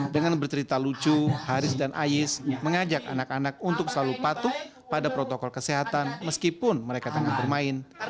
dengan bercerita lucu haris dan ais mengajak anak anak untuk selalu patuh pada protokol kesehatan meskipun mereka tengah bermain